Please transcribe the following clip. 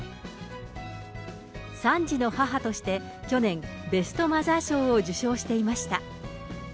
３児の母として、去年、ベストマザー賞を受賞していました。